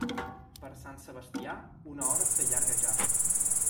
Per Sant Sebastià, una hora s'allarga ja.